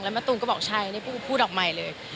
แล้วมาตูนก็บอกใช่พูดออกใหม่เลย